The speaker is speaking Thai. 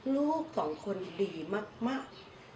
ลูกสองคนดีมาก